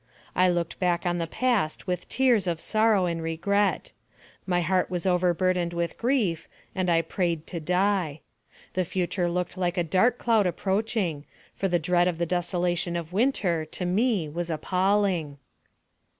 I looked back on the past with tears of sorrow and regret; my heart was overburdened with grief, and I prayed to die. The future looked like a dark cloud approaching, for the dread of the desolation of winter to me was appalling.